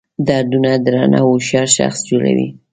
دردونه درنه هوښیار شخص جوړوي.